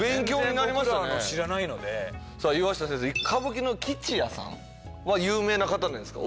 全然僕らは知らないので岩下先生歌舞伎の吉弥さんは有名な方なんですか？